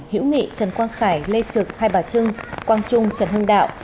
hiễu nghị trần quang khải lê trực hai bà trưng quang trung trần hưng đạo